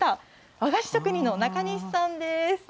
和菓子職人の中西さんです。